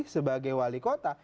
sebagai wali kota